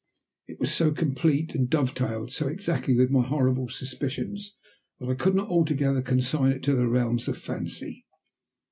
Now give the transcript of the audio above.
It was so complete and dovetailed so exactly with my horrible suspicions that I could not altogether consign it to the realms of fancy.